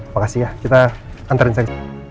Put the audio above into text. makasih ya kita antarin saja